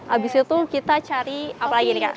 abis itu kita cari apa lagi nih kak